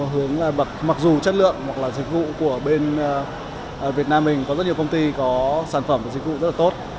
hướng là mặc dù chất lượng hoặc là dịch vụ của bên việt nam mình có rất nhiều công ty có sản phẩm và dịch vụ rất là tốt